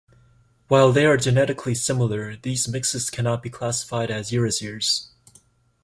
While they are genetically similar, these mixes cannot be classified as Eurasiers.